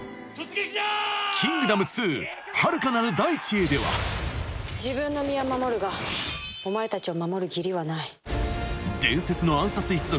『キングダム２遥かなる大地へ』では自分の身は守るがお前たちを守る義理はない。